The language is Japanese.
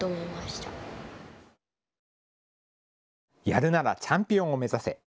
やるならチャンピオンを目指せ。